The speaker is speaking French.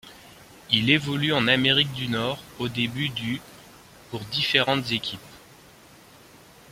Il évolue en Amérique du Nord au début du pour différentes équipes.